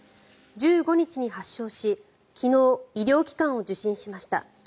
１５日に発症し昨日、医療機関を受診しました。